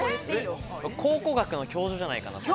考古学の教授じゃないかな？